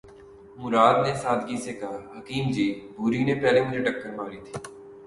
مراد نے سادگی سے کہا:”حکیم جی! بھوری نے پہلے مجھے ٹکر ماری تھی۔